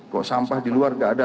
kok sampah di luar tidak ada